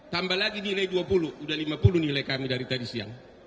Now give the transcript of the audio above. tambah lagi nilai dua puluh sudah lima puluh nilai kami dari tadi siang